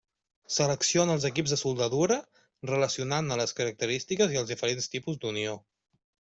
Selecciona els equips de soldadura, relacionant-ne les característiques i els diferents tipus d'unió.